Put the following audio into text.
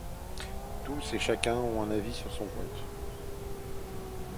Tous et chacun ont un avis sur son compte.